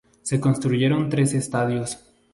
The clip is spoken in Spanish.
Se construyeron tres estadios.